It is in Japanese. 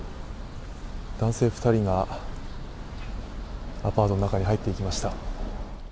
男性２人がアパートの中に入っていきました。